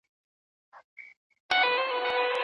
کرۍ ورځ چي یې مزلونه وه وهلي